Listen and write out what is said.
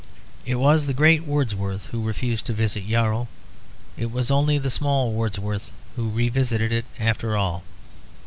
It was the great Wordsworth who refused to revisit Yarrow; it was only the small Wordsworth who revisited it after all.